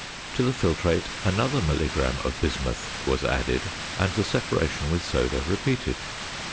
To the filtrate another milligram of bismuth was added and the separation with "soda" repeated.